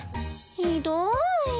ひどい。